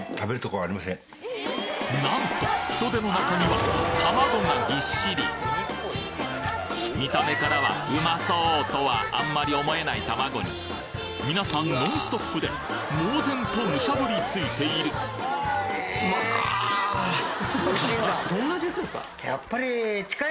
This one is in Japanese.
なんとヒトデの中には卵が見た目からはうまそ！とはあんまり思えない卵に皆さんノンストップで猛然とむしゃぶりついているやっぱり。